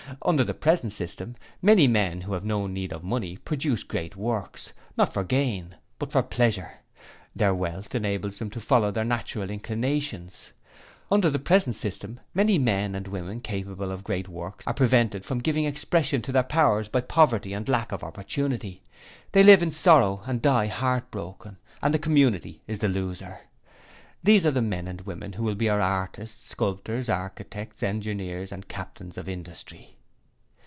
Under the present system, many men who have no need of money produce great works, not for gain but for pleasure: their wealth enables them to follow their natural inclinations. Under the present system many men and women capable of great works are prevented from giving expression to their powers by poverty and lack of opportunity: they live in sorrow and die heartbroken, and the community is the loser. These are the men and women who will be our artists, sculptors, architects, engineers and captains of industry.